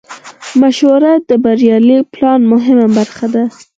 مشوره د بریالي پلان مهمه برخه ده.